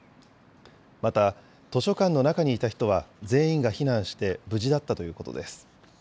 また、図書館の中にいた人は全員が避難して無事だったということです。